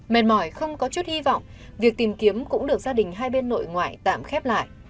mệt mỏi không có chút hy vọng việc tìm kiếm cũng được gia đình hai bên nội ngoại tạm khép lại